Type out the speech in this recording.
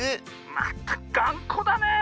まったくがんこだねえ